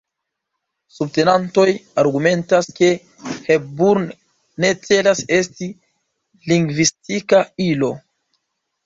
Subtenantoj argumentas ke Hepburn ne celas esti lingvistika ilo.